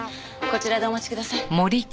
こちらでお待ちください。